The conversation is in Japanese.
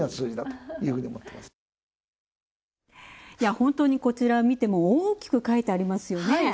本当に、こちらを見ても大きく書いてありますよね。